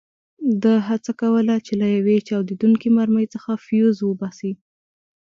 ده هڅه کوله چې له یوې چاودېدونکې مرمۍ څخه فیوز وباسي.